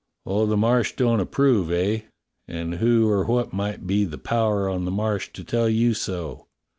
"Oh, the Marsh don't approve, eh.^^ And who or what might be the power on the Marsh to tell you so?"